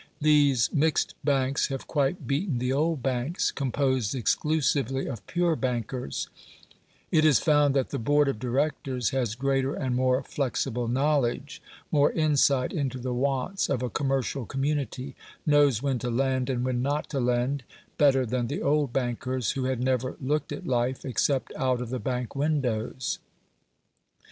These mixed banks have quite beaten the old banks, composed exclusively of pure bankers; it is found that the board of directors has greater and more flexible knowledge more insight into the wants of a commercial community knows when to lend and when not to lend, better than the old bankers, who had never looked at life, except out of the bank windows.